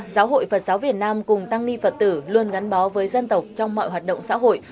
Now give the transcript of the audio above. giáo hội phật giáo việt nam cùng tăng ni phật tử luôn gắn bó với dân tộc trong mọi hoạt động xã hội